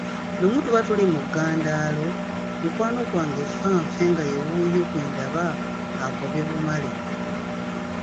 Lumu tuba tuli mu ggandaalo, mukwano gwange nfanfe nga ye wuuyo kwe ndaba agobye bumale.